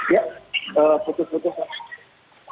ya betul betul pak